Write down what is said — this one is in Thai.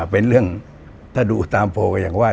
เป็นเรื่องถ้าดูตามโพลก็อย่างว่า